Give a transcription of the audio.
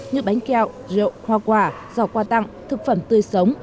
như bánh kẹo rượu hoa quả giò qua tặng thực phẩm tươi sống